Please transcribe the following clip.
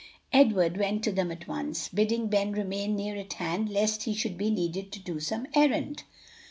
'" Edward went to them at once, bidding Ben remain near at hand lest he should be needed to do some errand.